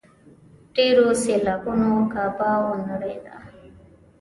ډېرو سېلابونو کعبه ونړېده.